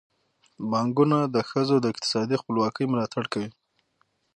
بانکونه د ښځو د اقتصادي خپلواکۍ ملاتړ کوي.